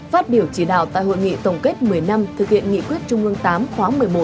phát biểu chỉ đạo tại hội nghị tổng kết một mươi năm thực hiện nghị quyết trung ương viii khóa một mươi một